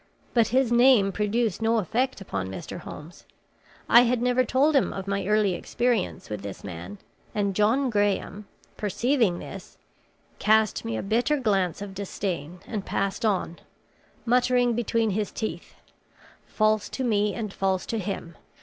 But his name produced no effect upon Mr. Holmes. I had never told him of my early experience with this man, and John Graham, perceiving this, cast me a bitter glance of disdain and passed on, muttering between his teeth, 'False to me and false to him!